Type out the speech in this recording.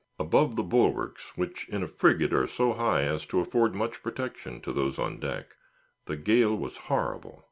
Above the bulwarks (which in a frigate are so high as to afford much protection to those on deck) the gale was horrible.